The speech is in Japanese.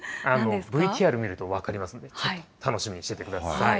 ＶＴＲ見ると分かりますんで、楽しみにしてください。